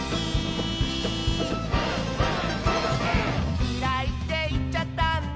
「きらいっていっちゃったんだ」